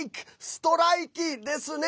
ストライキですね。